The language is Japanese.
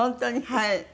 はい。